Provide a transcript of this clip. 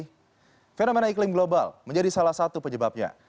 jadi fenomena iklim global menjadi salah satu penyebabnya